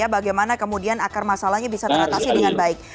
bagaimana kemudian akar masalahnya bisa teratasi dengan baik